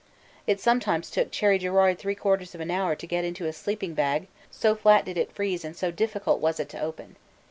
It sometimes took C. G. three quarters of an hour to get into his sleeping bag, so flat did it freeze and so difficult was it to open.